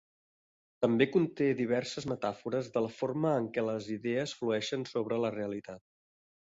També conté diverses metàfores de la forma en què les idees flueixen sobre la realitat.